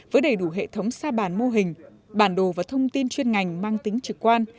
với đầy đủ hệ thống xa bản mô hình bản đồ và thông tin chuyên ngành mang tính trực quan